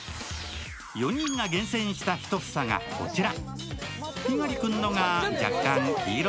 ４人が厳選した１房がこちら。